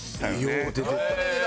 よう出てた。